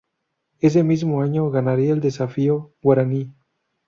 Ese mismo año ganaría el Desafío Guaraní.